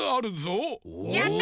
やった！